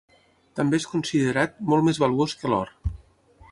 També és considerat molt més valuós que l'or.